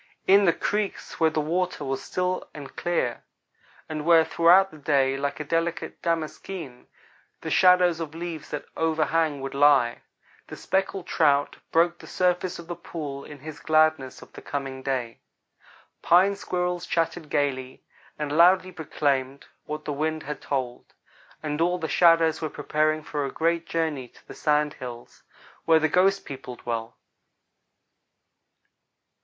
In the creeks, where the water was still and clear, and where throughout the day, like a delicate damaskeen, the shadows of leaves that overhang would lie, the Speckled Trout broke the surface of the pool in his gladness of the coming day. Pine squirrels chattered gayly, and loudly proclaimed what the wind had told; and all the shadows were preparing for a great journey to the Sand Hills, where the ghost people dwell.